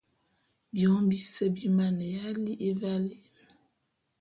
Biôm bise bi maneya li'i valé.